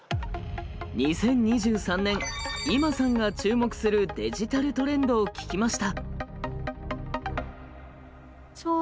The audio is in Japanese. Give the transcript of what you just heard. ２０２３年ｉｍｍａさんが注目するデジタルトレンドを聞きました。